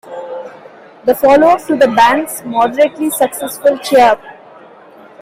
The follow-up to the band's moderately successful Cheer Up!